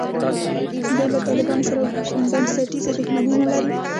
دوی له طالبانو سره بنسټیزه دښمني نه لري.